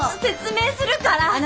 説明するから！